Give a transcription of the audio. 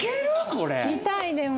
これ・見たいでも。